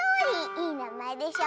いいなまえでしょ。